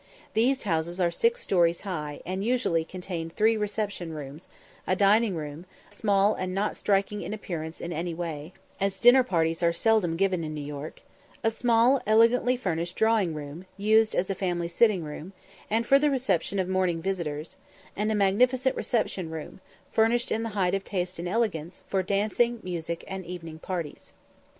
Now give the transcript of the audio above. These houses are six stories high, and usually contain three reception rooms; a dining room, small, and not striking in appearance in any way, as dinner parties are seldom given in New York; a small, elegantly furnished drawing room, used as a family sitting room, and for the reception of morning visitors; and a magnificent reception room, furnished in the height of taste and elegance, for dancing, music, and evening parties.